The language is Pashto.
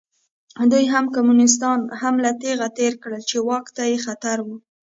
دوی هغه کمونېستان هم له تېغه تېر کړل چې واک ته یې خطر و.